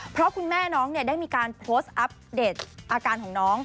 เพราะคุณแม่น้องได้มีการโพสต์อัปเดตอาการของน้อง